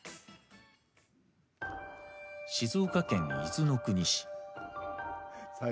静岡県伊豆の国市。